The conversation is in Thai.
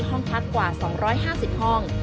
ห้องพักกว่า๒๕๐ห้อง